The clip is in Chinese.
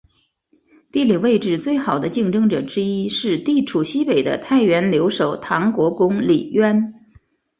地理位置最好的竞争者之一是地处西北的太原留守唐国公李渊。